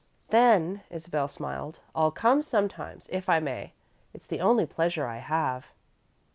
"Then," Isabel smiled, "I'll come sometimes, if I may. It's the only pleasure I have."